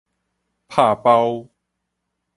拍包